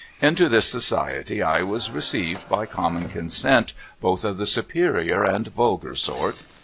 Into this society I was received by common consent both of the superior and vulgar sort.